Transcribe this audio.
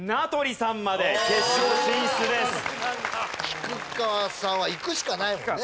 菊川さんはいくしかないもんね。